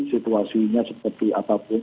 situasinya seperti apapun